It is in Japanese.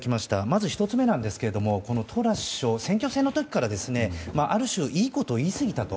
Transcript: まず１つ目なんですがトラス首相、選挙戦の時からある種、いいことを言いすぎた。